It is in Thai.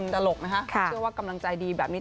เชื่อว่ากำลังใจดีแบบนี้